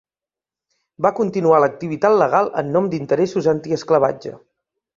Va continuar l'activitat legal en nom d'interessos antiesclavatge.